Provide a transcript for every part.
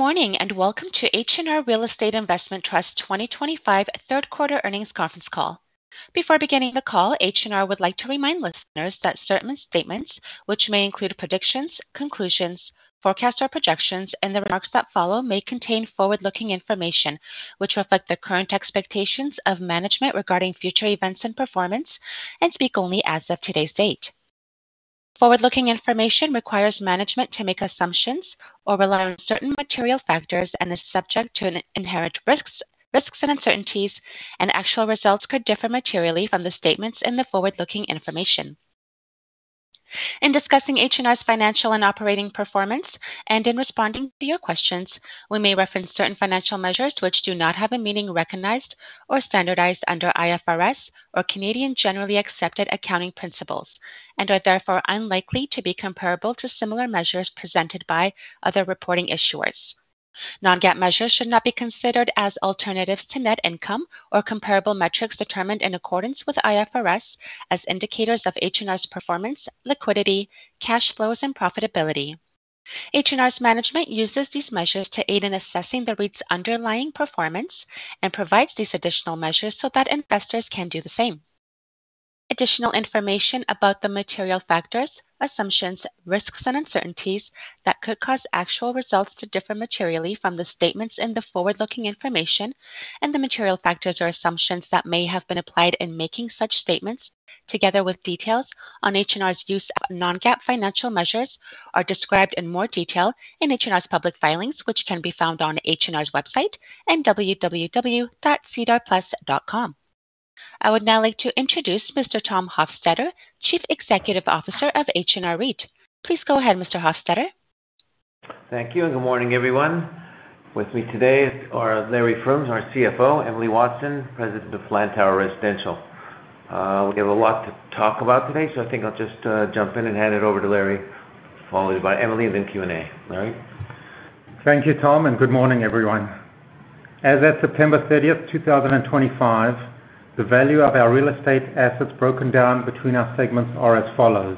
Good morning and welcome to H&R Real Estate Investment Trust 2025 third-quarter earnings conference call. Before beginning the call, H&R would like to remind listeners that certain statements, which may include predictions, conclusions, forecasts, or projections, and the remarks that follow, may contain forward-looking information which reflects the current expectations of management regarding future events and performance, and speak only as of today's date. Forward-looking information requires management to make assumptions or rely on certain material factors and is subject to inherent risks and uncertainties, and actual results could differ materially from the statements in the forward-looking information. In discussing H&R's financial and operating performance and in responding to your questions, we may reference certain financial measures which do not have a meaning recognized or standardized under IFRS or Canadian Generally Accepted Accounting Principles and are therefore unlikely to be comparable to similar measures presented by other reporting issuers. Non-GAAP measures should not be considered as alternatives to net income or comparable metrics determined in accordance with IFRS as indicators of H&R's performance, liquidity, cash flows, and profitability. H&R's management uses these measures to aid in assessing the REIT's underlying performance and provides these additional measures so that investors can do the same. Additional information about the material factors, assumptions, risks, and uncertainties that could cause actual results to differ materially from the statements in the forward-looking information and the material factors or assumptions that may have been applied in making such statements, together with details on H&R's use of non-GAAP financial measures, are described in more detail in H&R's public filings, which can be found on H&R's website and www.cdrplus.com. I would now like to introduce Mr. Tom Hofstedter, Chief Executive Officer of H&R REIT. Please go ahead, Mr. Hofstedter. Thank you, and good morning, everyone. With me today are Larry Froome, our CFO, Emily Watson, President of Lantower Residential. We have a lot to talk about today, so I think I'll just jump in and hand it over to Larry, followed by Emily and then Q&A. Larry. Thank you, Tom, and good morning, everyone. As of September 30, 2025, the value of our real estate assets broken down between our segments are as follows: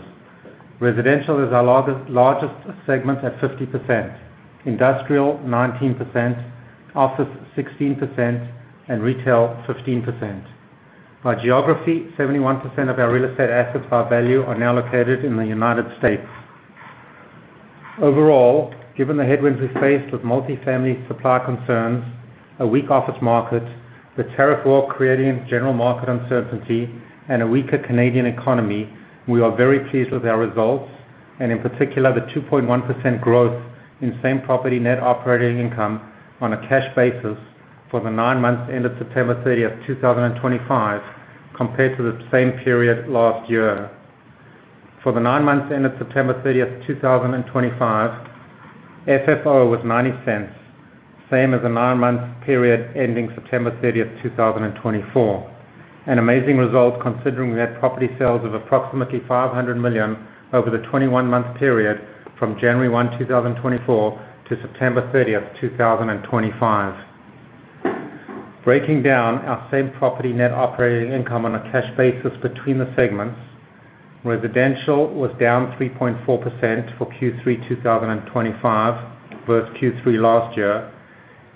Residential is our largest segment at 50%, Industrial 19%, Office 16%, and Retail 15%. By geography, 71% of our real estate assets by value are now located in the United States. Overall, given the headwinds we faced with multi-family supply concerns, a weak office market, the tariff war creating general market uncertainty, and a weaker Canadian economy, we are very pleased with our results, and in particular, the 2.1% growth in same-property net operating income on a cash basis for the nine months ended September 30, 2025, compared to the same period last year. For the nine months ended September 30, 2025, FFO was 0.90, same as the nine-month period ending September 30, 2024. An amazing result considering we had property sales of approximately 500 million over the 21-month period from January 1, 2024, to September 30, 2025. Breaking down our same-property net operating income on a cash basis between the segments, Residential was down 3.4% for Q3 2025 versus Q3 last year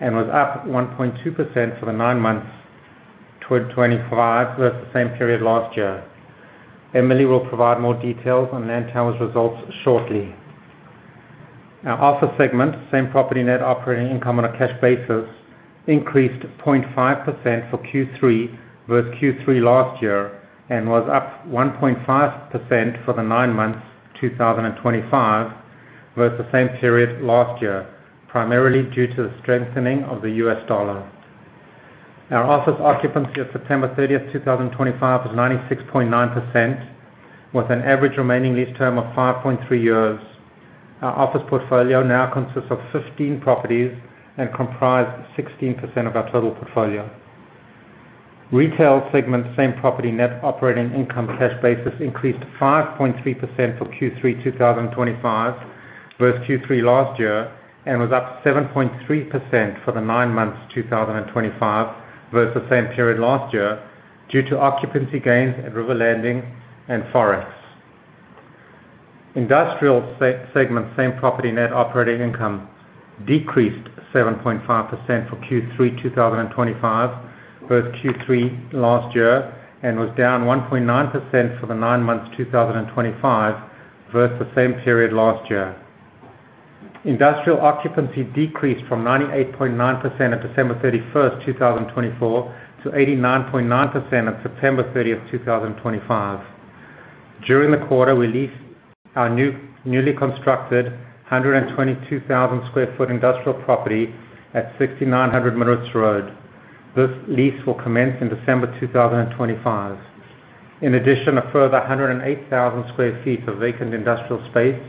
and was up 1.2% for the nine months to 2025 versus the same period last year. Emily will provide more details on Lantau's results shortly. Our office segment, same-property net operating income on a cash basis, increased 0.5% for Q3 versus Q3 last year and was up 1.5% for the nine months 2025 versus the same period last year, primarily due to the strengthening of the U.S. dollar. Our office occupancy of September 30, 2025, was 96.9%, with an average remaining lease term of 5.3 years. Our office portfolio now consists of 15 properties and comprised 16% of our total portfolio. Retail segment, same-property net operating income cash basis, increased 5.3% for Q3 2025 versus Q3 last year and was up 7.3% for the nine months 2025 versus the same period last year due to occupancy gains at River Landing and Forex. Industrial segment, same-property net operating income, decreased 7.5% for Q3 2025 versus Q3 last year and was down 1.9% for the nine months 2025 versus the same period last year. Industrial occupancy decreased from 98.9% on December 31, 2024, to 89.9% on September 30, 2025. During the quarter, we leased our newly constructed 122,000 sq ft industrial property at 6900 Morris Road. This lease will commence in December 2025. In addition, a further 108,000 sq ft of vacant industrial space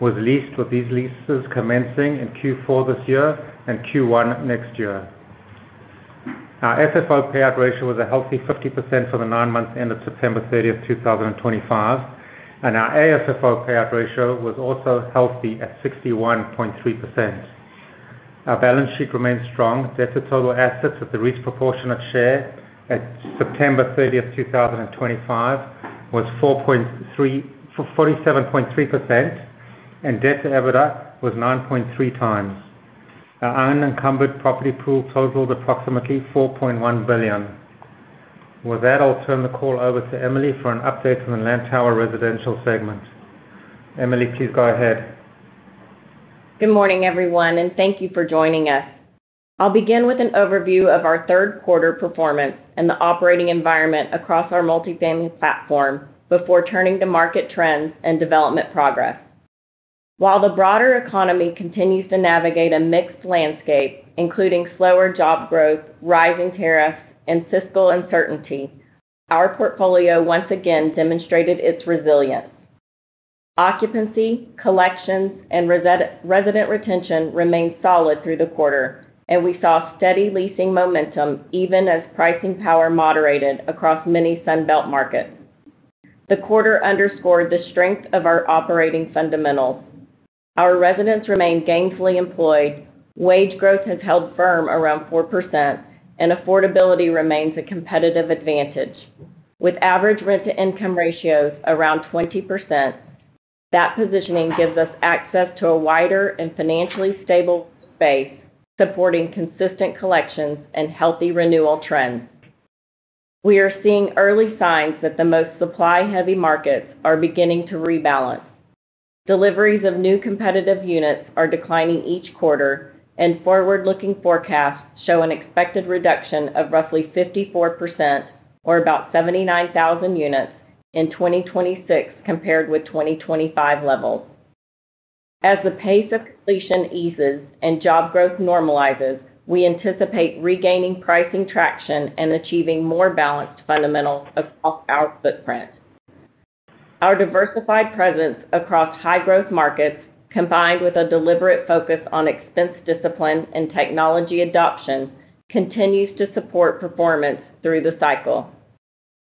was leased, with these leases commencing in Q4 this year and Q1 next year. Our FFO payout ratio was a healthy 50% for the nine months ended September 30, 2025, and our AFFO payout ratio was also healthy at 61.3%. Our balance sheet remains strong. Debt to total assets at the REIT's proportionate share at September 30, 2025, was 47.3%, and debt to EBITDA was 9.3x. Our unencumbered property pool totalled approximately 4.1 billion. With that, I'll turn the call over to Emily for an update on the Lantau Residential segment. Emily, please go ahead. Good morning, everyone, and thank you for joining us. I'll begin with an overview of our third-quarter performance and the operating environment across our multi-family platform before turning to market trends and development progress. While the broader economy continues to navigate a mixed landscape, including slower job growth, rising tariffs, and fiscal uncertainty, our portfolio once again demonstrated its resilience. Occupancy, collections, and resident retention remained solid through the quarter, and we saw steady leasing momentum even as pricing power moderated across many Sunbelt markets. The quarter underscored the strength of our operating fundamentals. Our residents remain gainfully employed, wage growth has held firm around 4%, and affordability remains a competitive advantage. With average rent-to-income ratios around 20%, that positioning gives us access to a wider and financially stable space, supporting consistent collections and healthy renewal trends. We are seeing early signs that the most supply-heavy markets are beginning to rebalance. Deliveries of new competitive units are declining each quarter, and forward-looking forecasts show an expected reduction of roughly 54%, or about 79,000 units, in 2026 compared with 2025 levels. As the pace of completion eases and job growth normalizes, we anticipate regaining pricing traction and achieving more balanced fundamentals across our footprint. Our diversified presence across high-growth markets, combined with a deliberate focus on expense discipline and technology adoption, continues to support performance through the cycle.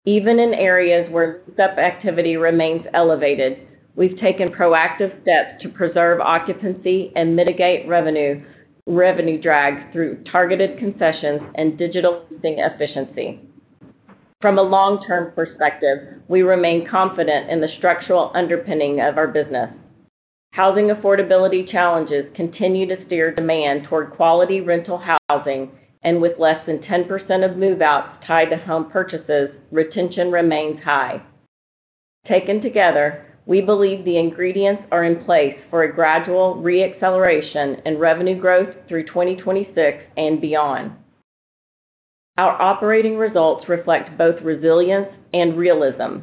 Even in areas where lease-up activity remains elevated, we have taken proactive steps to preserve occupancy and mitigate revenue drag through targeted concessions and digital leasing efficiency. From a long-term perspective, we remain confident in the structural underpinning of our business. Housing affordability challenges continue to steer demand toward quality rental housing, and with less than 10% of move-outs tied to home purchases, retention remains high. Taken together, we believe the ingredients are in place for a gradual re-acceleration in revenue growth through 2026 and beyond. Our operating results reflect both resilience and realism.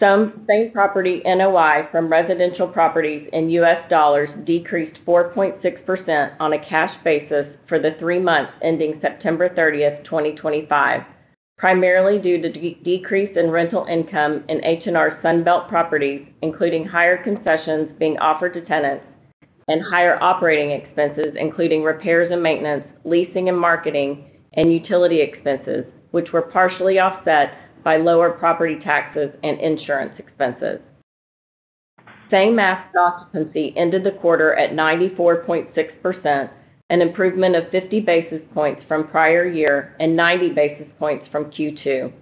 Some same-property NOI from residential properties in U.S. dollars decreased 4.6% on a cash basis for the three months ending September 30, 2025, primarily due to decrease in rental income in H&R Sunbelt properties, including higher concessions being offered to tenants and higher operating expenses, including repairs and maintenance, leasing and marketing, and utility expenses, which were partially offset by lower property taxes and insurance expenses. Same-asset occupancy ended the quarter at 94.6%, an improvement of 50 basis points from prior year and 90 basis points from Q2.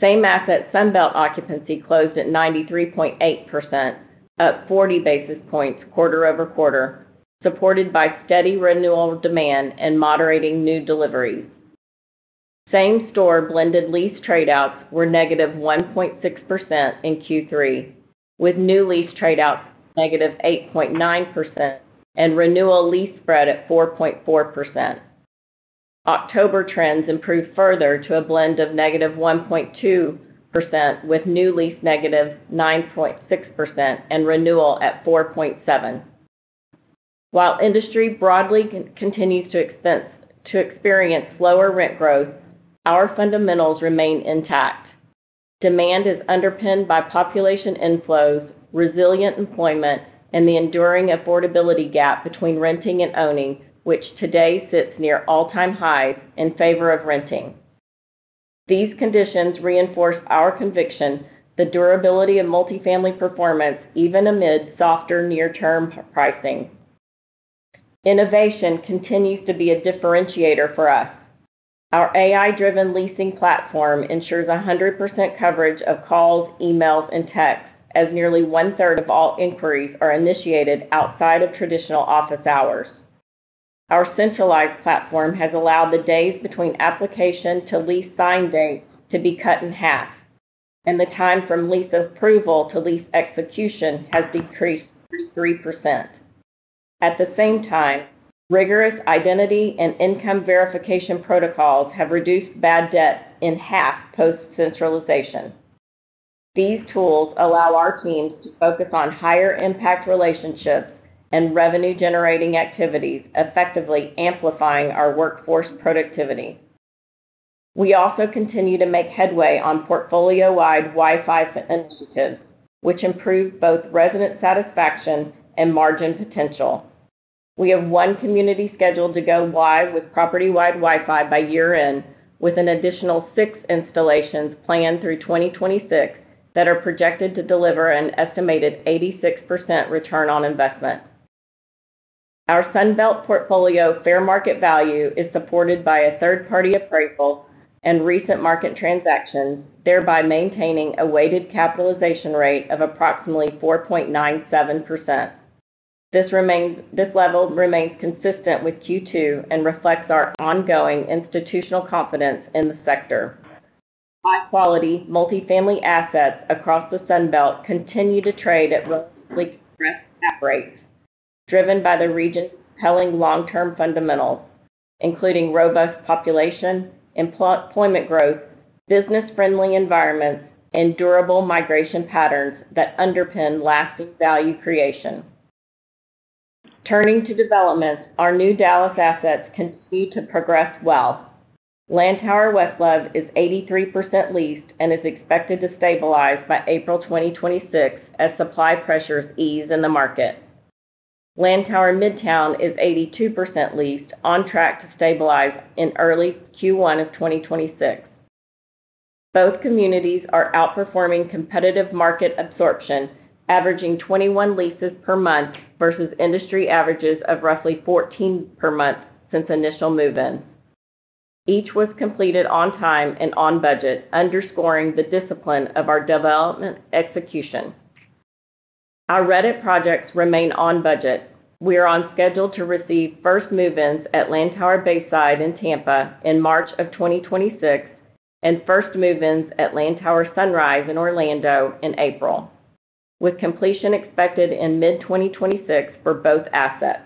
Same-asset Sunbelt occupancy closed at 93.8%, up 40 basis points quarter over quarter, supported by steady renewal demand and moderating new deliveries. Same-store blended lease tradeouts were negative 1.6% in Q3, with new lease tradeouts -8.9% and renewal lease spread at 4.4%. October trends improved further to a blend of -1.2% with new lease -9.6% and renewal at 4.7%. While industry broadly continues to experience slower rent growth, our fundamentals remain intact. Demand is underpinned by population inflows, resilient employment, and the enduring affordability gap between renting and owning, which today sits near all-time highs in favor of renting. These conditions reinforce our conviction, the durability of multifamily performance even amid softer near-term pricing. Innovation continues to be a differentiator for us. Our AI-driven leasing platform ensures 100% coverage of calls, emails, and texts, as nearly one-third of all inquiries are initiated outside of traditional office hours. Our centralized platform has allowed the days between application to lease sign dates to be cut in half, and the time from lease approval to lease execution has decreased to 3%. At the same time, rigorous identity and income verification protocols have reduced bad debt in half post-centralization. These tools allow our teams to focus on higher impact relationships and revenue-generating activities, effectively amplifying our workforce productivity. We also continue to make headway on portfolio-wide Wi-Fi initiatives, which improve both resident satisfaction and margin potential. We have one community scheduled to go live with property-wide Wi-Fi by year-end, with an additional six installations planned through 2026 that are projected to deliver an estimated 86% return on investment. Our Sunbelt portfolio fair market value is supported by a third-party appraisal and recent market transactions, thereby maintaining a weighted capitalization rate of approximately 4.97%. This level remains consistent with Q2 and reflects our ongoing institutional confidence in the sector. High-quality multi-family assets across the Sunbelt continue to trade at relatively compressed cap rates, driven by the region's compelling long-term fundamentals, including robust population, employment growth, business-friendly environments, and durable migration patterns that underpin lasting value creation. Turning to developments, our new Dallas assets continue to progress well. Lantau West Love is 83% leased and is expected to stabilize by April 2026 as supply pressures ease in the market. Lantau Midtown is 82% leased, on track to stabilize in early Q1 of 2026. Both communities are outperforming competitive market absorption, averaging 21 leases per month versus industry averages of roughly 14 per month since initial move-in. Each was completed on time and on budget, underscoring the discipline of our development execution. Our Reddit projects remain on budget. We are on schedule to receive first move-ins at Lantau Bayside in Tampa in March of 2026 and first move-ins at Lantau Sunrise in Orlando in April, with completion expected in mid-2026 for both assets.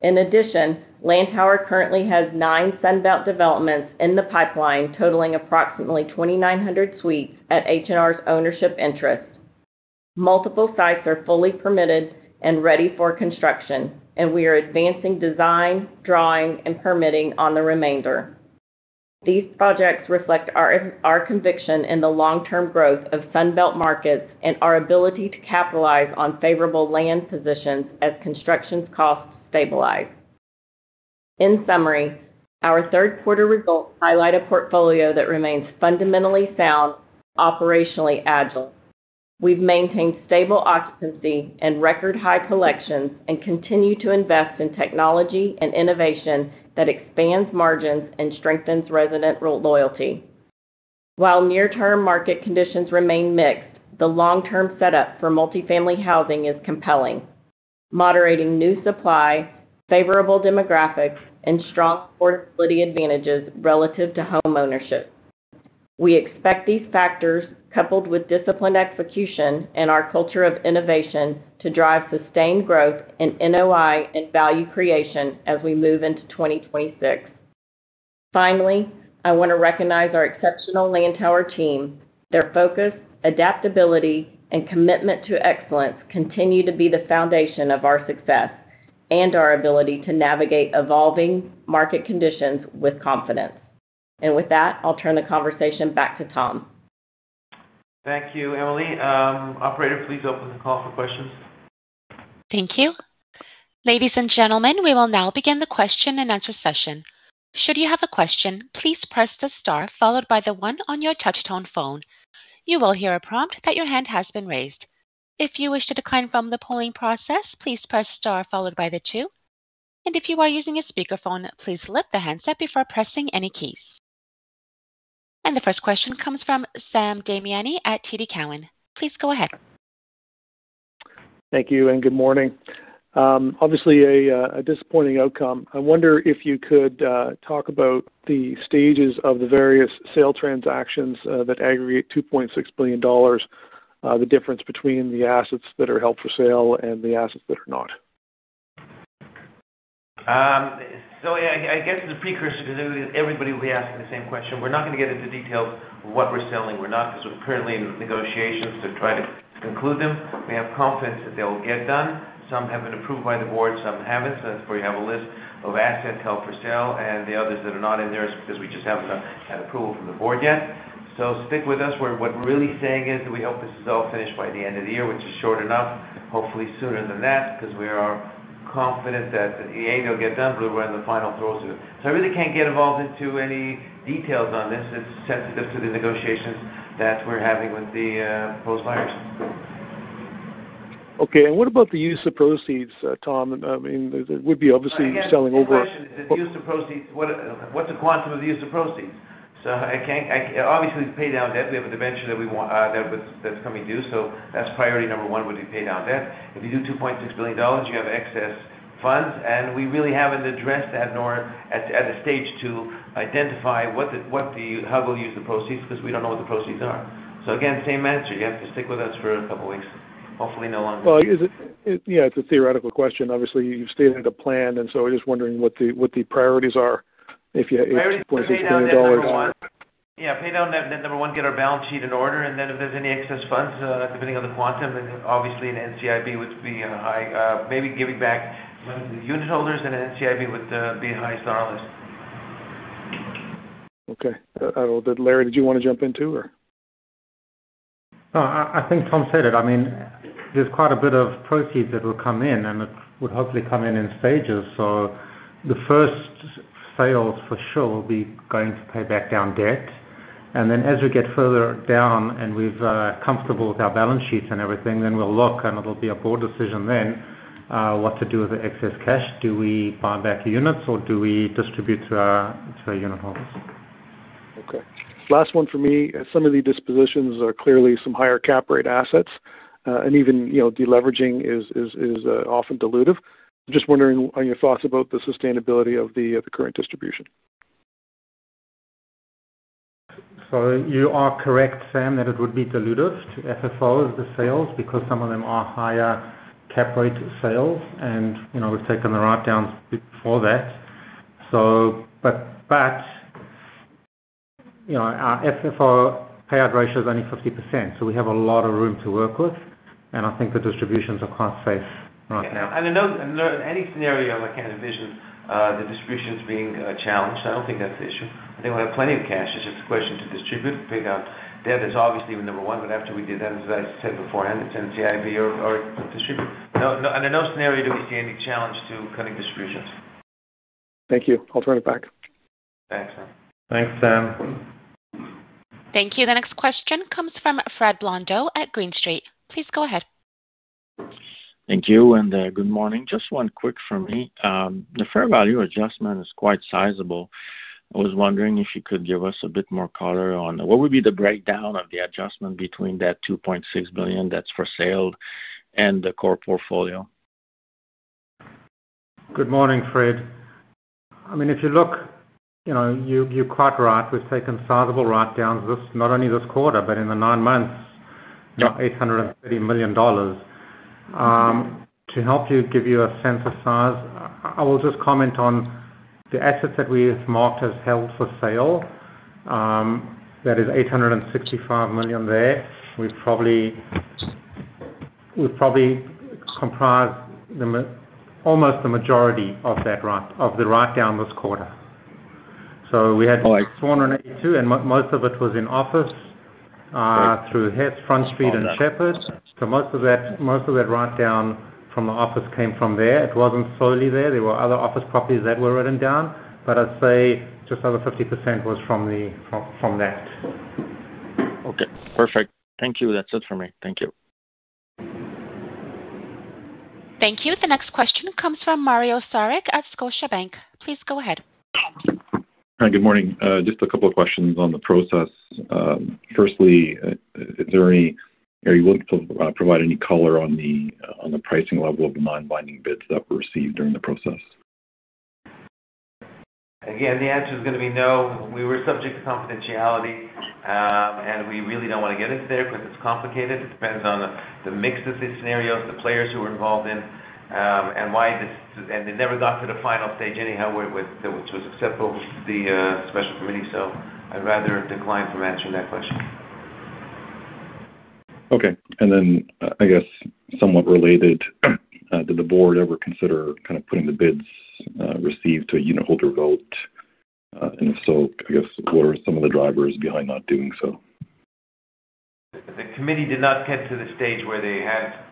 In addition, Lantau currently has nine Sunbelt developments in the pipeline, totaling approximately 2,900 suites at H&R's ownership interest. Multiple sites are fully permitted and ready for construction, and we are advancing design, drawing, and permitting on the remainder. These projects reflect our conviction in the long-term growth of Sunbelt markets and our ability to capitalize on favorable land positions as construction costs stabilize. In summary, our third-quarter results highlight a portfolio that remains fundamentally sound, operationally agile. have maintained stable occupancy and record-high collections and continue to invest in technology and innovation that expands margins and strengthens resident loyalty. While near-term market conditions remain mixed, the long-term setup for multifamily housing is compelling, moderating new supply, favorable demographics, and strong affordability advantages relative to home ownership. We expect these factors, coupled with disciplined execution and our culture of innovation, to drive sustained growth in NOI and value creation as we move into 2026. Finally, I want to recognize our exceptional Lantau team. Their focus, adaptability, and commitment to excellence continue to be the foundation of our success and our ability to navigate evolving market conditions with confidence. I will turn the conversation back to Tom. Thank you, Emily. Operator, please open the call for questions. Thank you. Ladies and gentlemen, we will now begin the question-and-answer session. Should you have a question, please press the star followed by the one on your touch-tone phone. You will hear a prompt that your hand has been raised. If you wish to decline from the polling process, please press star followed by the two. If you are using a speakerphone, please lift the handset before pressing any keys. The first question comes from Sam Damiani at TD Cowen. Please go ahead. Thank you and good morning. Obviously, a disappointing outcome. I wonder if you could talk about the stages of the various sale transactions that aggregate 2.6 billion dollars, the difference between the assets that are held for sale and the assets that are not. I guess the precursor because everybody will be asking the same question. We're not going to get into details of what we're selling or not because we're currently in negotiations to try to conclude them. We have confidence that they'll get done. Some have been approved by the board, some haven't. That's why you have a list of assets held for sale, and the others that are not in there is because we just haven't had approval from the board yet. Stick with us. What we're really saying is that we hope this is all finished by the end of the year, which is short enough, hopefully sooner than that, because we are confident that, yeah, they'll get done, but we're in the final throes of it. I really can't get involved into any details on this.It's sensitive to the negotiations that we're having with the post-fire. Okay. What about the use of proceeds, Tom? I mean, there would be obviously selling over. The use of proceeds, what's the quantum of the use of proceeds? Obviously, pay down debt. We have a dimension that's coming due, so that's priority number one would be pay down debt. If you do 2.6 billion dollars, you have excess funds, and we really haven't addressed that nor at the stage to identify how we'll use the proceeds because we don't know what the proceeds are. Again, same answer. You have to stick with us for a couple of weeks. Hopefully no longer. Yeah, it's a theoretical question. Obviously, you've stated a plan, and so I was just wondering what the priorities are if you have CAD 2.6 billion. Priority number one. Yeah, pay down debt, number one, get our balance sheet in order, and then if there's any excess funds, depending on the quantum, then obviously an NCIB would be high. Maybe giving back money to the unit holders, and an NCIB would be highest on our list. Okay. Larry, did you want to jump in too or? No, I think Tom said it. I mean, there's quite a bit of proceeds that will come in, and it would hopefully come in in stages. The first sales for sure will be going to pay back down debt. As we get further down and we're comfortable with our balance sheets and everything, we'll look, and it'll be a board decision then what to do with the excess cash. Do we buy back units, or do we distribute to our unit holders? Okay. Last one for me. Some of the dispositions are clearly some higher cap rate assets, and even deleveraging is often dilutive. Just wondering on your thoughts about the sustainability of the current distribution. You are correct, Sam, that it would be dilutive to FFOs, the sales, because some of them are higher cap rate sales, and we've taken the write-downs before that. Our FFO payout ratio is only 50%, so we have a lot of room to work with, and I think the distributions are quite safe right now. In any scenario I can envision the distributions being challenged, I do not think that is the issue. I think we will have plenty of cash. It is just a question to distribute, pay down debt is obviously number one, but after we do that, as I said beforehand, it is NCIB or distribute. In no scenario do we see any challenge to cutting distributions. Thank you. I'll turn it back. Thanks, Sam. Thank you. The next question comes from Fred Blondeau at Green Street. Please go ahead. Thank you and good morning. Just one quick from me. The fair value adjustment is quite sizable. I was wondering if you could give us a bit more color on what would be the breakdown of the adjustment between that 2.6 billion that's for sale and the core portfolio. Good morning, Fred. I mean, if you look, you are quite right. We have taken sizable write-downs, not only this quarter but in the nine months, 830 million dollars. To help give you a sense of size, I will just comment on the assets that we have marked as held for sale. That is 865 million there. We probably comprise almost the majority of that write-down this quarter. We had 482 million, and most of it was in office through Hess, Front Street, and Shepherd. Most of that write-down from the office came from there. It was not solely there. There were other office properties that were written down, but I would say just over 50% was from that. Okay. Perfect. Thank you. That's it for me. Thank you. Thank you. The next question comes from Mario Saric at Scotiabank. Please go ahead. Hi, good morning. Just a couple of questions on the process. Firstly, are you willing to provide any color on the pricing level of the non-binding bids that were received during the process? Again, the answer is going to be no. We were subject to confidentiality, and we really do not want to get into there because it is complicated. It depends on the mix of the scenarios, the players who were involved in, and why this and it never got to the final stage anyhow where it was acceptable to the special committee, so I would rather decline from answering that question. Okay. I guess somewhat related, did the board ever consider kind of putting the bids received to a unit holder vote? If so, I guess what are some of the drivers behind not doing so? The committee did not get to the stage where they had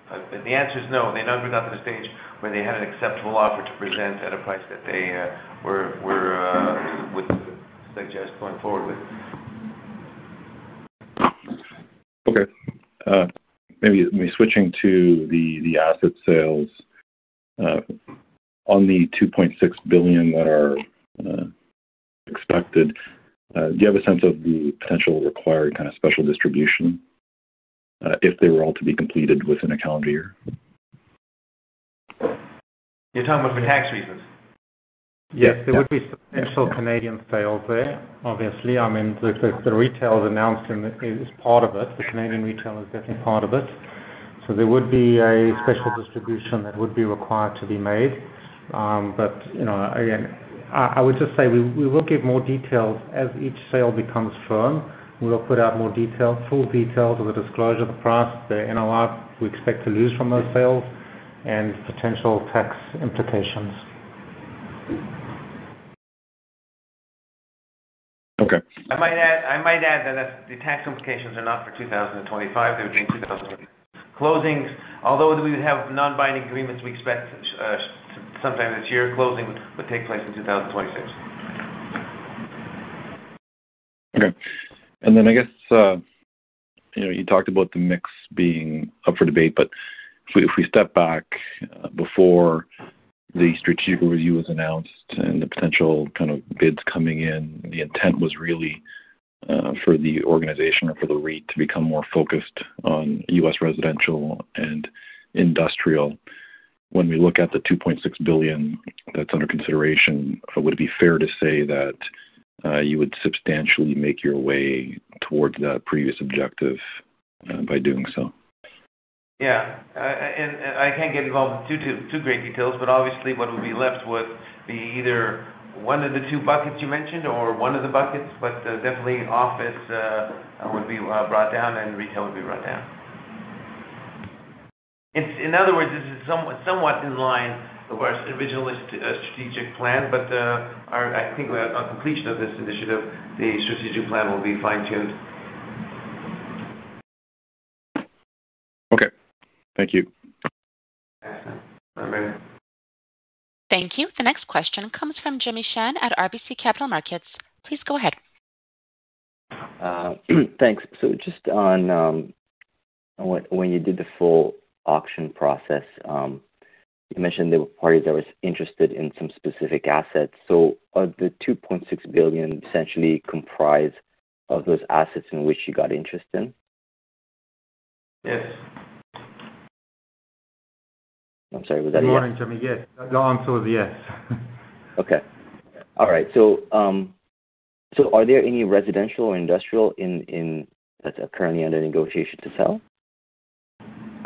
the answer is no. They never got to the stage where they had an acceptable offer to present at a price that they were with to suggest going forward with. Okay. Maybe switching to the asset sales. On the 2.6 billion that are expected, do you have a sense of the potential required kind of special distribution if they were all to be completed within a calendar year? You're talking about for tax reasons? Yes. There would be substantial Canadian sales there, obviously. I mean, the retail announcement is part of it. The Canadian retail is definitely part of it. There would be a special distribution that would be required to be made. Again, I would just say we will give more details as each sale becomes firm. We will put out more details, full details of the disclosure, the price, the NOI we expect to lose from those sales, and potential tax implications. Okay. I might add that the tax implications are not for 2025. They would be in 2026. Although we have non-binding agreements, we expect sometime this year closing would take place in 2026. Okay. I guess you talked about the mix being up for debate, but if we step back before the strategic review was announced and the potential kind of bids coming in, the intent was really for the organization or for the REIT to become more focused on US residential and industrial. When we look at the 2.6 billion that's under consideration, would it be fair to say that you would substantially make your way towards that previous objective by doing so? Yeah. I can't get involved in too great details, but obviously what would be left would be either one of the two buckets you mentioned or one of the buckets, but definitely office would be brought down and retail would be brought down. In other words, this is somewhat in line with our original strategic plan, but I think on completion of this initiative, the strategic plan will be fine-tuned. Okay. Thank you. Excellent. All right. Thank you. The next question comes from Jimmy Shen at RBC Capital Markets. Please go ahead. Thanks. Just on when you did the full auction process, you mentioned there were parties that were interested in some specific assets. The 2.6 billion essentially comprised of those assets in which you got interest in? Yes. I'm sorry. Was that a yes? Good morning, Jimmy. Yes. The answer was yes. Okay. All right. So are there any residential or industrial that's currently under negotiation to sell?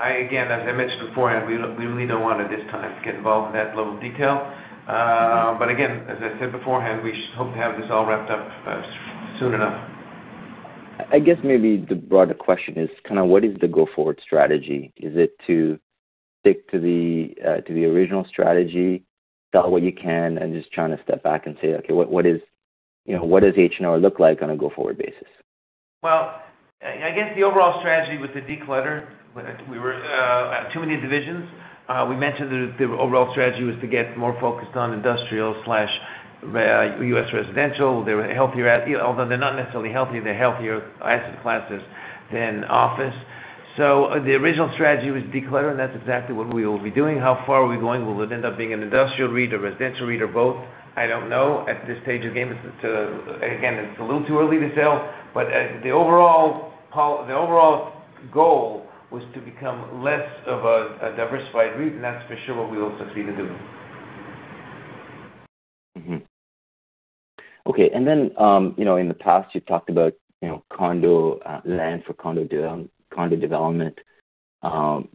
Again, as I mentioned beforehand, we really do not want to this time get involved in that level of detail. Again, as I said beforehand, we hope to have this all wrapped up soon enough. I guess maybe the broader question is kind of what is the go-forward strategy? Is it to stick to the original strategy, sell what you can, and just trying to step back and say, "Okay, what does H&R look like on a go-forward basis? I guess the overall strategy with the declutter, we were at too many divisions. We mentioned the overall strategy was to get more focused on industrial/U.S. residential. They were healthier, although they're not necessarily healthy. They're healthier asset classes than office. The original strategy was declutter, and that's exactly what we will be doing. How far are we going? Will it end up being an industrial REIT or residential REIT or both? I don't know at this stage of the game. Again, it's a little too early to tell, but the overall goal was to become less of a diversified REIT, and that's for sure what we will succeed in doing. Okay. In the past, you've talked about condo land for condo development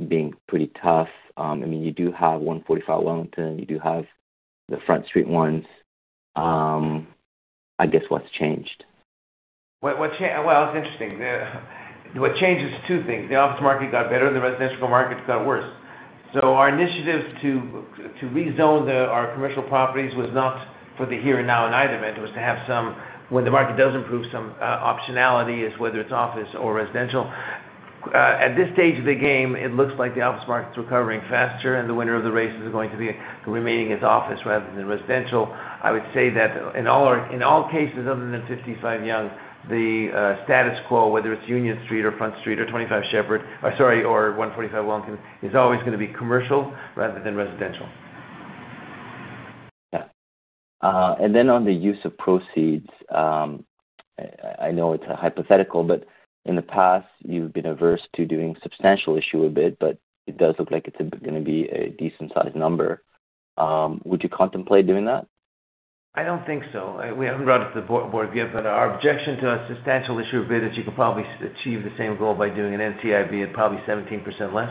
being pretty tough. I mean, you do have 145 Wellington. You do have the Front Street ones. I guess what's changed? It's interesting. What changed is two things. The office market got better, and the residential market got worse. Our initiatives to rezone our commercial properties was not for the here and now in either event. It was to have some, when the market does improve, some optionality as whether it's office or residential. At this stage of the game, it looks like the office market's recovering faster, and the winner of the race is going to be remaining as office rather than residential. I would say that in all cases other than 55 Young, the status quo, whether it's Union Street or Front Street or 25 Shepherd or, sorry, or 145 Wellington, is always going to be commercial rather than residential. On the use of proceeds, I know it's a hypothetical, but in the past, you've been averse to doing substantial issue a bit, but it does look like it's going to be a decent-sized number. Would you contemplate doing that? I don't think so. We haven't brought it to the board yet, but our objection to a substantial issue a bit is you could probably achieve the same goal by doing an NCIB at probably 17% less.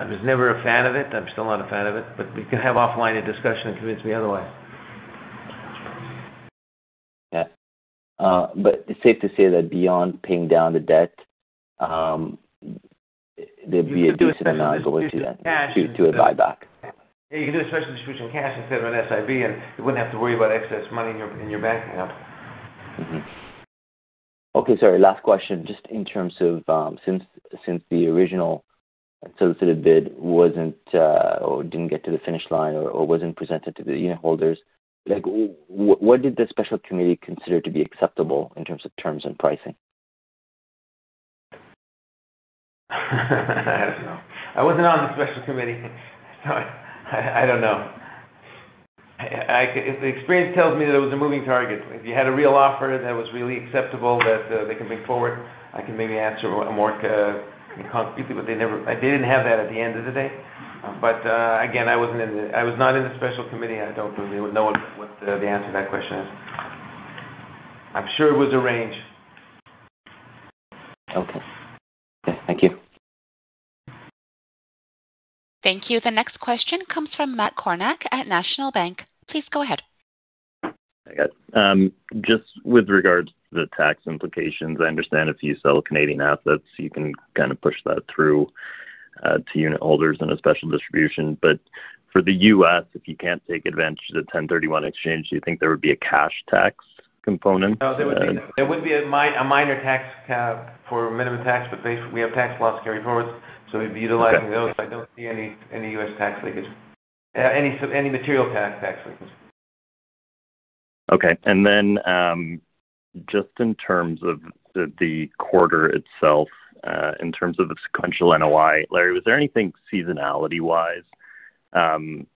I was never a fan of it. I'm still not a fan of it, but we can have offline a discussion and convince me otherwise. Yeah. It is safe to say that beyond paying down the debt, there would be a decent amount going to that, to a buyback. Yeah. You can do a special distribution cash instead of an SIB, and you would not have to worry about excess money in your bank account. Okay. Sorry. Last question. Just in terms of since the original solicited bid was not or did not get to the finish line or was not presented to the unit holders, what did the special committee consider to be acceptable in terms of terms and pricing? I don't know. I wasn't on the special committee. I don't know. Experience tells me that it was a moving target. If you had a real offer that was really acceptable that they could bring forward, I could maybe answer more concretely, but they didn't have that at the end of the day. Again, I was not in the special committee. I don't know what the answer to that question is. I'm sure it was arranged. Okay. Thank you. Thank you. The next question comes from Matt Cormack at National Bank. Please go ahead. Just with regards to the tax implications, I understand if you sell Canadian assets, you can kind of push that through to unit holders in a special distribution. For the U.S., if you can't take advantage of the 1031 exchange, do you think there would be a cash tax component? No, there would not be. There would be a minor tax cap for minimum tax, but we have tax loss carry forward, so we would be utilizing those. I do not see any U.S. tax leakage. Any material tax leakage. Okay. In terms of the quarter itself, in terms of the sequential NOI, Larry, was there anything seasonality-wise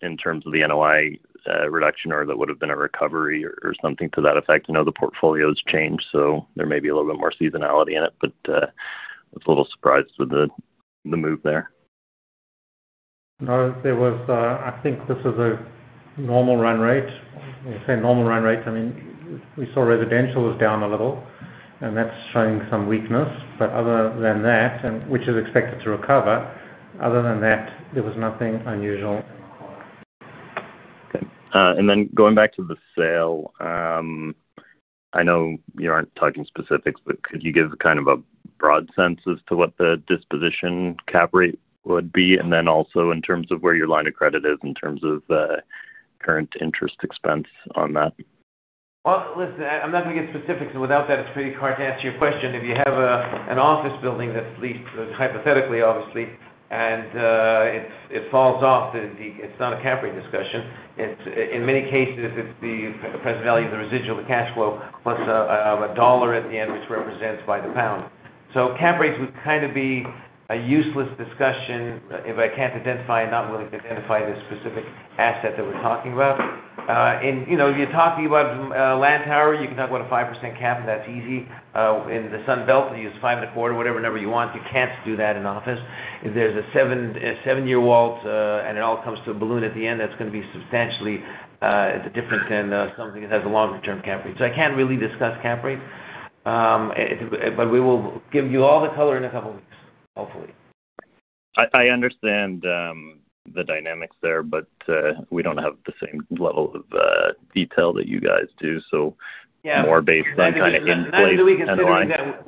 in terms of the NOI reduction or that would have been a recovery or something to that effect? I know the portfolios changed, so there may be a little bit more seasonality in it, but I was a little surprised with the move there. No, there was. I think this was a normal run rate. When you say normal run rate, I mean we saw residential was down a little, and that's showing some weakness. I mean, other than that, which is expected to recover, other than that, there was nothing unusual in the quarter. Okay. Going back to the sale, I know you are not talking specifics, but could you give kind of a broad sense as to what the disposition cap rate would be? Also, in terms of where your line of credit is in terms of current interest expense on that? I'm not going to get specifics, and without that, it's pretty hard to answer your question. If you have an office building that's leased, hypothetically, obviously, and it falls off, it's not a cap rate discussion. In many cases, it's the present value of the residual, the cash flow, plus a dollar at the end, which represents by the pound. Cap rates would kind of be a useless discussion if I can't identify and not willing to identify the specific asset that we're talking about. If you're talking about Lantau, you can talk about a 5% cap, and that's easy. In the Sunbelt, you use 5.25%, whatever number you want. You can't do that in office. If there's a seven-year Walt and it all comes to a balloon at the end, that's going to be substantially different than something that has a longer-term cap rate. I can't really discuss cap rate, but we will give you all the color in a couple of weeks, hopefully. I understand the dynamics there, but we don't have the same level of detail that you guys do, so more based on kind of end-to-end underlying. No, we can still do that.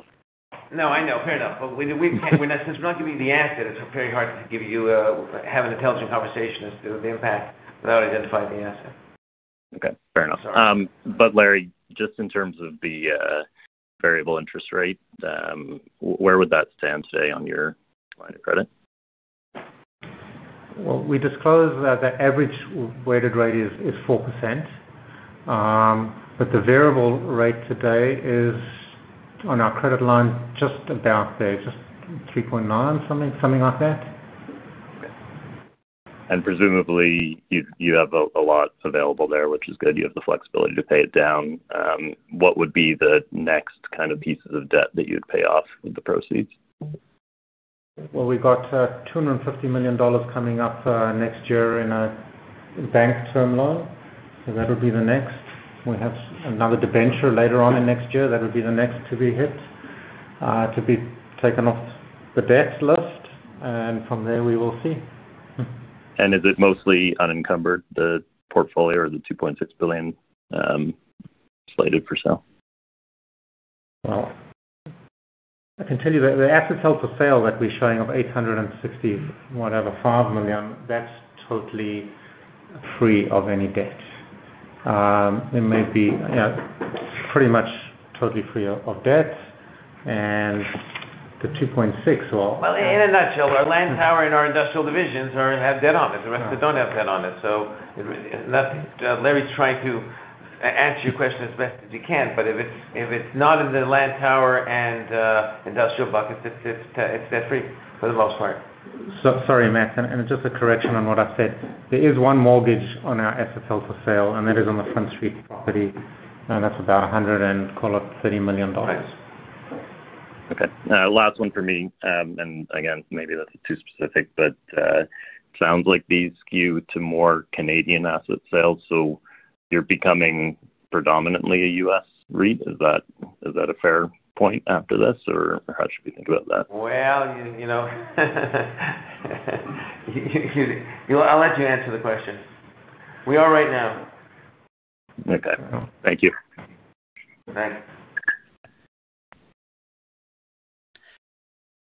No, I know. Fair enough. Since we're not giving you the answer, it's very hard to have an intelligent conversation as to the impact without identifying the answer. Okay. Fair enough. Larry, just in terms of the variable interest rate, where would that stand today on your line of credit? We disclosed that the average weighted rate is 4%, but the variable rate today is on our credit line just about there, just 3.9%, something like that. Okay. Presumably, you have a lot available there, which is good. You have the flexibility to pay it down. What would be the next kind of pieces of debt that you'd pay off with the proceeds? We have 250 million dollars coming up next year in a bank term loan, so that would be the next. We have another debenture later on in next year. That would be the next to be hit, to be taken off the debt list. From there, we will see. Is it mostly unencumbered, the portfolio, or the 2.6 billion slated for sale? I can tell you that the asset sales for sale that we're showing of 860.5 million, that's totally free of any debt. It may be pretty much totally free of debt. And the 2.6 or. In a nutshell, our Lantau and our industrial divisions have debt on it. The rest of them do not have debt on it. Larry is trying to answer your question as best as he can, but if it is not in the Lantau and industrial buckets, it is debt-free for the most part. Sorry, Matt. Just a correction on what I said. There is one mortgage on our asset sales for sale, and that is on the Front Street property. That is about 130 million dollars. Okay. Last one for me. Again, maybe that's too specific, but it sounds like these skew to more Canadian asset sales. You are becoming predominantly a U.S. REIT. Is that a fair point after this, or how should we think about that? I'll let you answer the question. We are right now. Okay. Thank you. Thanks.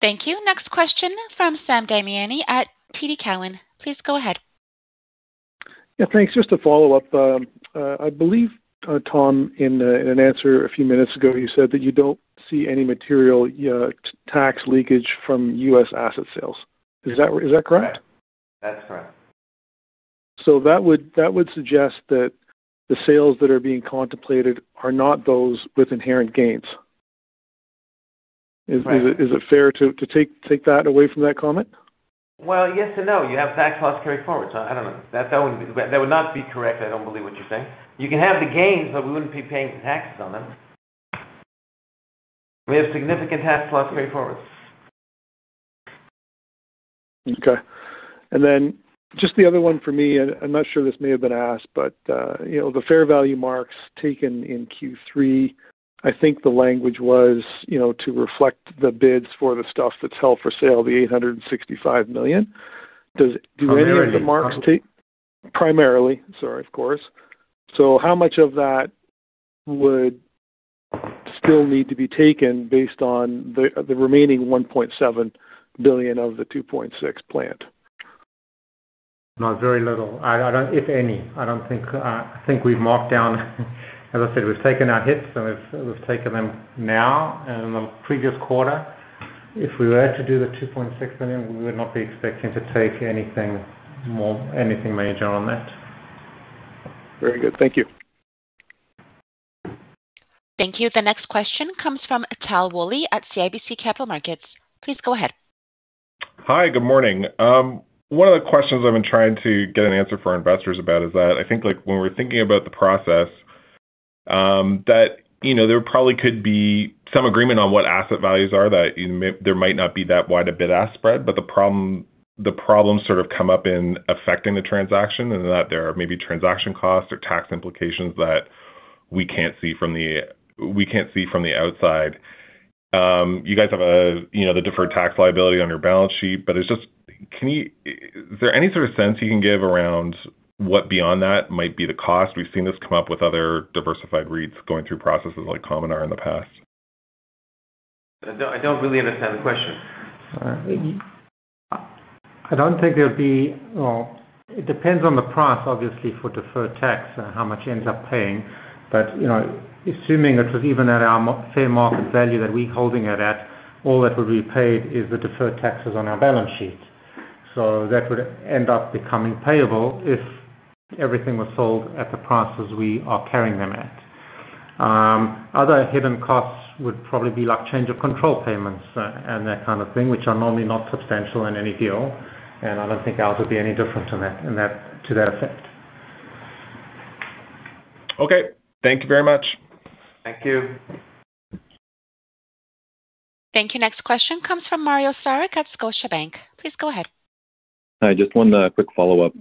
Thank you. Next question from Sam Damiani at TD Cowen. Please go ahead. Yeah. Thanks. Just to follow-up, I believe, Tom, in an answer a few minutes ago, you said that you do not see any material tax leakage from U.S. asset sales. Is that correct? That's correct. That would suggest that the sales that are being contemplated are not those with inherent gains. Is it fair to take that away from that comment? Yes and no. You have tax loss carry forward. I don't know. That would not be correct. I don't believe what you're saying. You can have the gains, but we wouldn't be paying the taxes on them. We have significant tax loss carry forward. Okay. Just the other one for me, and I'm not sure this may have been asked, but the fair value marks taken in Q3, I think the language was to reflect the bids for the stuff that's held for sale, the 865 million. Do any of the marks take? Primarily. Sorry, of course. How much of that would still need to be taken based on the remaining 1.7 billion of the 2.6 billion planned? Not very little. If any. I think we've marked down, as I said, we've taken our hits, and we've taken them now and in the previous quarter. If we were to do the $2.6 million, we would not be expecting to take anything major on that. Very good. Thank you. Thank you. The next question comes from Atal Woolley at CIBC Capital Markets. Please go ahead. Hi. Good morning. One of the questions I've been trying to get an answer for investors about is that I think when we're thinking about the process, that there probably could be some agreement on what asset values are, that there might not be that wide a bid-ask spread, but the problems sort of come up in affecting the transaction and that there are maybe transaction costs or tax implications that we can't see from the outside. You guys have the deferred tax liability on your balance sheet, but is there any sort of sense you can give around what beyond that might be the cost? We've seen this come up with other diversified REITs going through processes like CommonR in the past. I don't really understand the question. I don't think there would be, it depends on the price, obviously, for deferred tax and how much you end up paying. Assuming it was even at our fair market value that we're holding it at, all that would be paid is the deferred taxes on our balance sheet. That would end up becoming payable if everything was sold at the prices we are carrying them at. Other hidden costs would probably be like change of control payments and that kind of thing, which are normally not substantial in any deal. I don't think ours would be any different to that effect. Okay. Thank you very much. Thank you. Thank you. Next question comes from Mario Saric at Scotiabank. Please go ahead. Hi. Just one quick follow-up.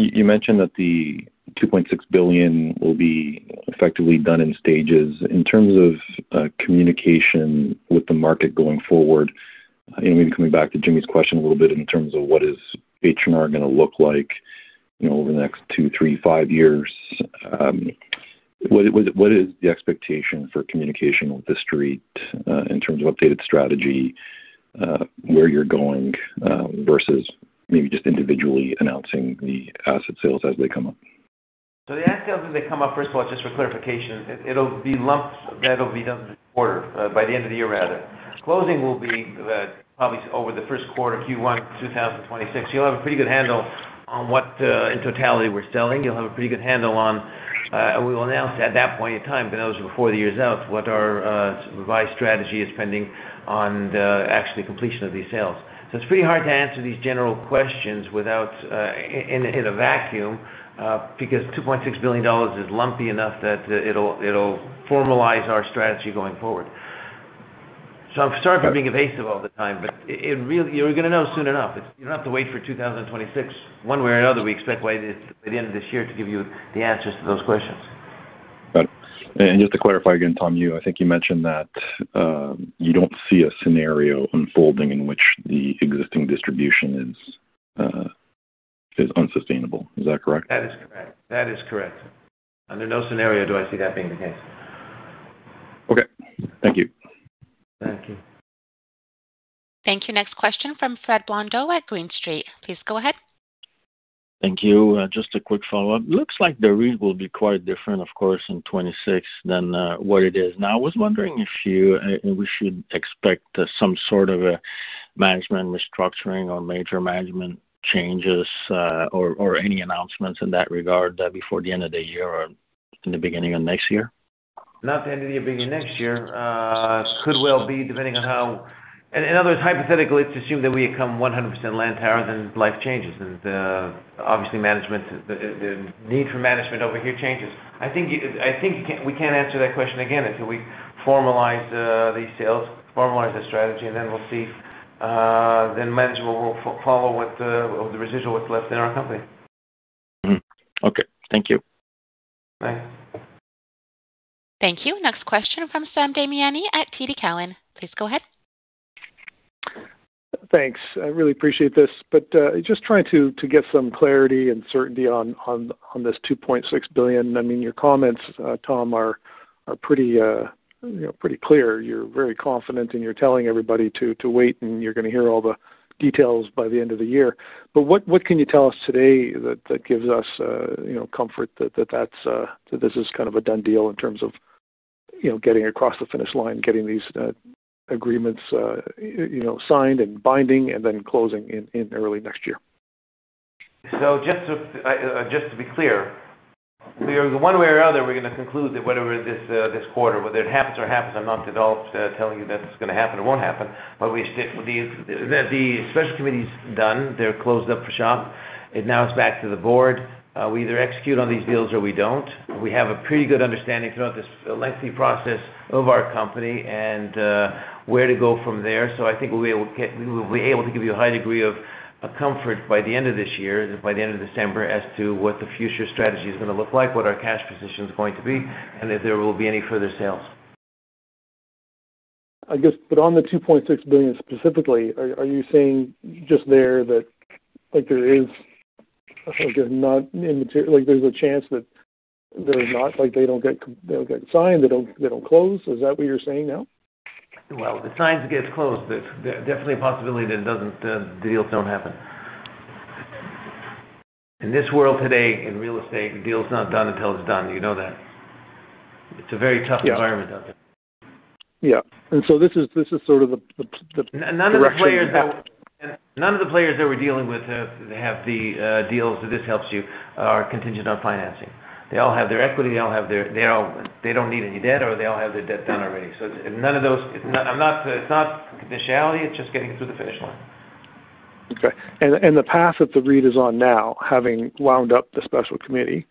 You mentioned that the 2.6 billion will be effectively done in stages. In terms of communication with the market going forward, maybe coming back to Jimmy's question a little bit in terms of what is H&R going to look like over the next two, three, five years, what is the expectation for communication with the street in terms of updated strategy, where you're going versus maybe just individually announcing the asset sales as they come up? The asset sales as they come up, first of all, just for clarification, it'll be lumped that'll be done this quarter, by the end of the year rather. Closing will be probably over the first quarter, Q1 2026. You'll have a pretty good handle on what in totality we're selling. You'll have a pretty good handle on, and we will announce at that point in time, but those are before the year's out, what our revised strategy is pending on actually completion of these sales. It's pretty hard to answer these general questions in a vacuum because 2.6 billion dollars is lumpy enough that it'll formalize our strategy going forward. I'm sorry for being evasive all the time, but you're going to know soon enough. You don't have to wait for 2026. One way or another, we expect by the end of this year to give you the answers to those questions. Got it. Just to clarify again, Tom, I think you mentioned that you don't see a scenario unfolding in which the existing distribution is unsustainable. Is that correct? That is correct. Under no scenario do I see that being the case. Okay. Thank you. Thank you. Thank you. Next question from Fred Blondeau at Green Street. Please go ahead. Thank you. Just a quick follow-up. Looks like the REIT will be quite different, of course, in 2026 than what it is now. I was wondering if we should expect some sort of management restructuring or major management changes or any announcements in that regard before the end of the year or in the beginning of next year? Not the end of the year or beginning of next year. Could well be depending on how. In other words, hypothetically, let's assume that we become 100% Lantau then life changes. Obviously, management, the need for management over here changes. I think we can't answer that question again until we formalize these sales, formalize the strategy, and then we'll see. Management will follow with the residual what's left in our company. Okay. Thank you. Thanks. Thank you. Next question from Sam Damiani at TD Cowen. Please go ahead. Thanks. I really appreciate this. Just trying to get some clarity and certainty on this 2.6 billion. I mean, your comments, Tom, are pretty clear. You're very confident, and you're telling everybody to wait, and you're going to hear all the details by the end of the year. What can you tell us today that gives us comfort that this is kind of a done deal in terms of getting across the finish line, getting these agreements signed and binding, and then closing in early next year? Just to be clear, one way or another, we're going to conclude that whatever this quarter, whether it happens or happens, I'm not at all telling you that's going to happen or won't happen, but the special committee's done. They're closed up for shop. Now it's back to the board. We either execute on these deals or we don't. We have a pretty good understanding throughout this lengthy process of our company and where to go from there. I think we'll be able to give you a high degree of comfort by the end of this year, by the end of December, as to what the future strategy is going to look like, what our cash position is going to be, and if there will be any further sales. I guess, but on the 2.6 billion specifically, are you saying just there that there is not there's a chance that they don't get signed, they don't close, is that what you're saying now? The signs get closed. There's definitely a possibility that the deals don't happen. In this world today, in real estate, the deal's not done until it's done. You know that. It's a very tough environment out there. Yeah. This is sort of the direction. None of the players that we're dealing with have the deals that this helps you are contingent on financing. They all have their equity. They don't need any debt, or they all have their debt done already. None of those, it's not conditionality. It's just getting through the finish line. Okay. The path that the REIT is on now, having wound up the special committee,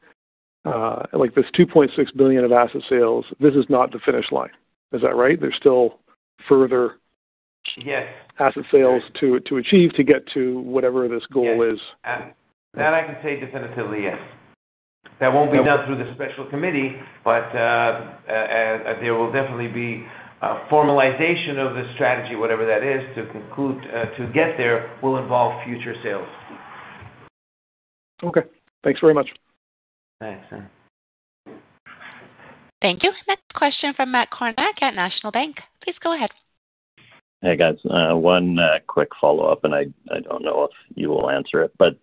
this 2.6 billion of asset sales, this is not the finish line. Is that right? There are still further asset sales to achieve to get to whatever this goal is. That I can say definitively, yes. That will not be done through the special committee, but there will definitely be a formalization of the strategy, whatever that is, to get there will involve future sales. Okay. Thanks very much. Thanks, Sam. Thank you. Next question from Matt Cormack at National Bank. Please go ahead. Hey, guys. One quick follow-up, and I don't know if you will answer it, but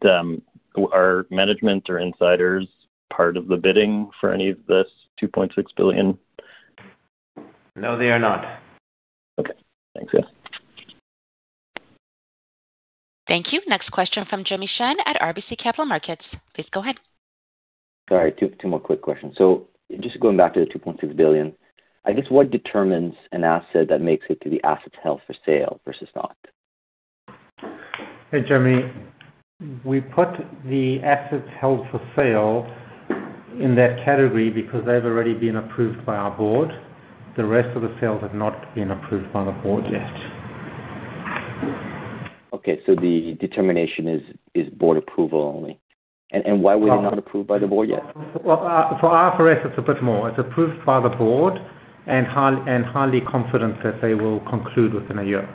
are management or insiders part of the bidding for any of this 2.6 billion? No, they are not. Okay. Thanks, Sam. Thank you. Next question from Jimmy Shen at RBC Capital Markets. Please go ahead. Sorry. Two more quick questions. Just going back to the 2.6 billion, I guess what determines an asset that makes it to the asset sales for sale versus not? Hey, Jimmy. We put the asset sales for sale in that category because they've already been approved by our board. The rest of the sales have not been approved by the board yet. Okay. The determination is board approval only. Why were they not approved by the board yet? For RFRS, it's a bit more. It's approved by the board and highly confident that they will conclude within a year.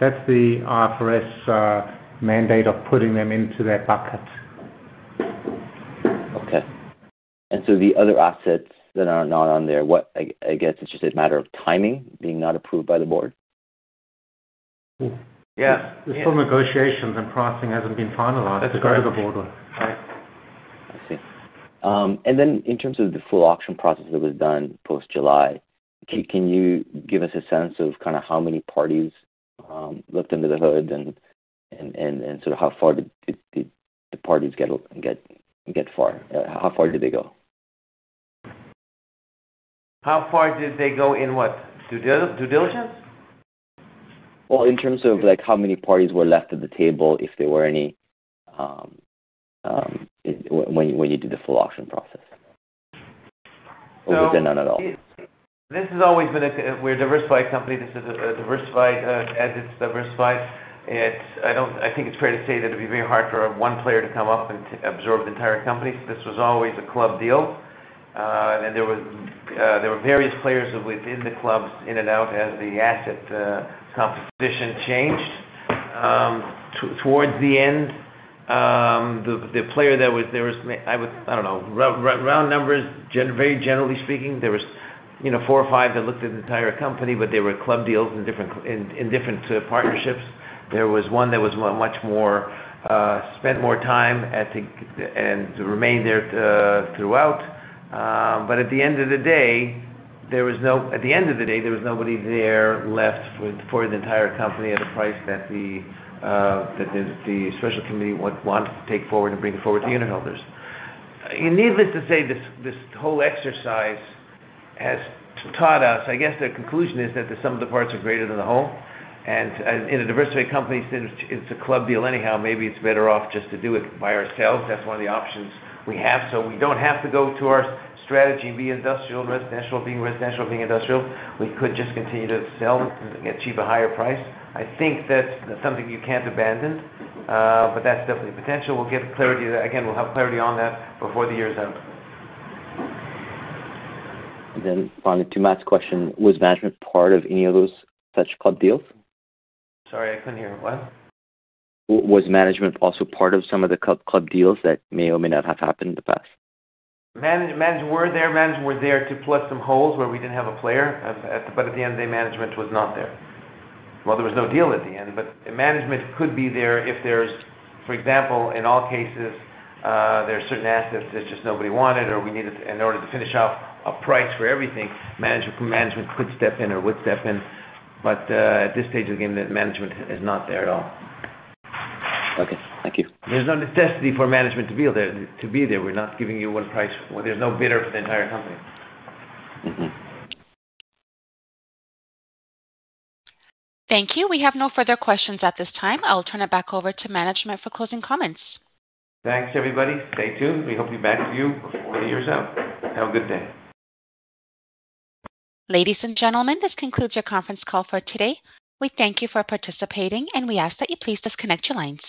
That's the RFRS mandate of putting them into that bucket. Okay. The other assets that are not on there, I guess it's just a matter of timing being not approved by the board? Yeah. It's still negotiations, and pricing hasn't been finalized. It's going to the board with. I see. In terms of the full auction process that was done post-July, can you give us a sense of kind of how many parties looked under the hood and sort of how far did the parties get? How far did they go? How far did they go in what? Due diligence? In terms of how many parties were left at the table if there were any when you did the full auction process. Or was there none at all? This has always been a we're a diversified company. This is as diversified as it's diversified. I think it's fair to say that it'd be very hard for one player to come up and absorb the entire company. This was always a club deal. There were various players within the clubs in and out as the asset composition changed. Towards the end, the player that was there was, I don't know, round numbers, very generally speaking, there were four or five that looked at the entire company, but they were club deals in different partnerships. There was one that was much more, spent more time and remained there throughout. At the end of the day, there was nobody there left for the entire company at a price that the special committee wanted to take forward and bring forward to unit holders. Needless to say, this whole exercise has taught us, I guess the conclusion is that some of the parts are greater than the whole. In a diversified company, since it is a club deal anyhow, maybe it is better off just to do it by ourselves. That is one of the options we have. We do not have to go to our strategy and be industrial and residential, being residential, being industrial. We could just continue to sell and achieve a higher price. I think that is something you cannot abandon, but that is definitely potential. We will get clarity again, we will have clarity on that before the year's out. Finally, to Matt's question, was management part of any of those such club deals? Sorry, I couldn't hear. What? Was management also part of some of the club deals that may or may not have happened in the past? Management were there. Management were there to plug some holes where we did not have a player. At the end of the day, management was not there. There was no deal at the end, but management could be there if there is, for example, in all cases, there are certain assets that just nobody wanted or we needed in order to finish off a price for everything. Management could step in or would step in. At this stage, again, management is not there at all. Okay. Thank you. There's no necessity for management to be there. We're not giving you one price. There's no bidder for the entire company. Thank you. We have no further questions at this time. I'll turn it back over to management for closing comments. Thanks, everybody. Stay tuned. We hope to be back with you before the year's out. Have a good day. Ladies and gentlemen, this concludes your conference call for today. We thank you for participating, and we ask that you please disconnect your lines.